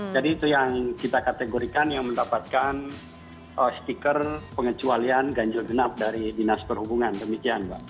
jadi itu yang kita kategorikan yang mendapatkan stiker pengecualian ganjil genap dari dinas perhubungan